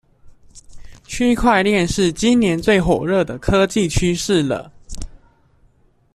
區塊鏈是今年最火熱的科技趨勢了